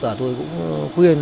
rồi tôi cũng khuyên